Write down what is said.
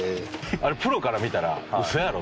あれプロから見たら嘘やろ？